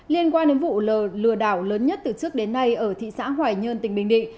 liên quan đến vụ lờ đảo lớn nhất từ trước đến nay ở thị xã hoài nhơn tỉnh bình định